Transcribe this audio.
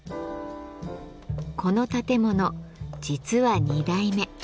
この建物実は２代目。